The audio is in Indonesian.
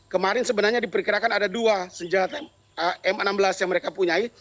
kemarin sebenarnya diperkirakan ada dua senjata m enam belas yang mereka punyai